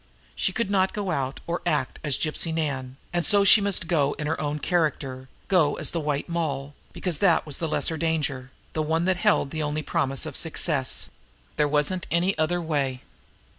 She could not go, or act, as Gypsy Nan; and so she must go in her own character, go as the White Moll because that was the lesser danger, the one that held the only promise of success. There wasn't any other way.